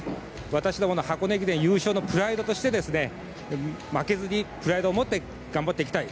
私どもも箱根駅伝優勝のプライドとして負けずにプライドを持って頑張っていきたい。